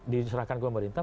diserahkan ke pemerintah